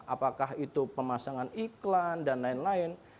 apakah itu pemasangan iklan dan lain lain